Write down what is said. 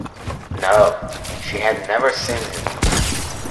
No, she had never seen him.